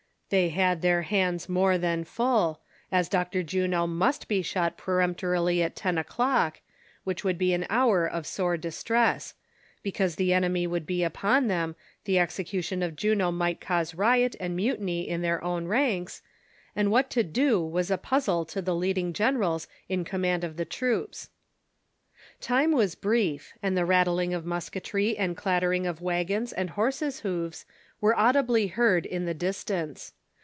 Tliey had their hands more than full, as Dr. Juno 7nust be shot peremptorily at ten o'clock, which would be an hour of sore distress ; because the enemy would be upon them, the execution of Juno might cause riot and mutiny in their own ranks, and what to do was a puzzle to the leading generals in command of the troops. Time was brief, and the rattling of musketry and clatter ing of wagons and horses' hoofs were audibly heard in the distance.